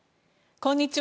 こんにちは。